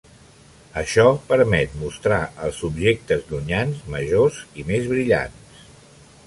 Això permet mostrar els objectes llunyans majors i més brillants.